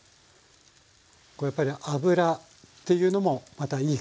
これやっぱり油っていうのもまたいい？